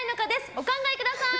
お考えください！